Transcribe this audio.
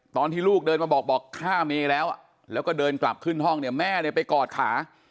ตอนที่ลูกเดินมาบอกข้ามีแล้วแล้วก็เดินกลับขึ้นห้องเนี่ยแม่ไปกอดขา